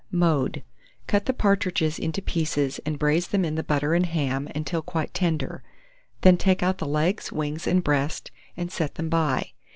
Mode. Cut the partridges into pieces, and braise them in the butter and ham until quite tender; then take out the legs, wings, and breast, and set them by.